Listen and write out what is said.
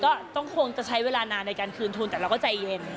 ก็ต้องคงจะใช้เวลานานในการคืนทุนแต่เราก็ใจเย็น